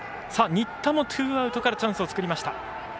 新田も、ツーアウトからチャンスを作りました。